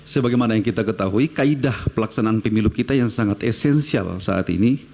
sebagaimana yang kita ketahui kaedah pelaksanaan pemilu kita yang sangat esensial saat ini